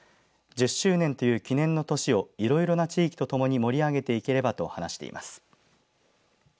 １０周年という記念の年をいろいろな地域とともに盛り上げていければと話しています。